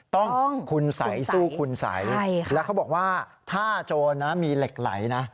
ต้องคุณสัยสู้คุณสัยแล้วเขาบอกว่าถ้าโจรนะมีเหล็กไหลนะ